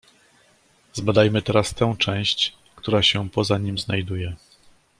"Zbadajmy teraz tę część, która się poza nim znajduje."